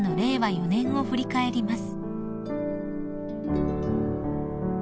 ４年を振り返ります］